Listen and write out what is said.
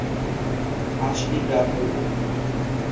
عاشقی براکەم بوویت؟